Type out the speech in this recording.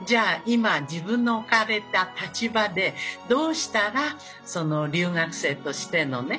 今自分の置かれた立場でどうしたら留学生としてのね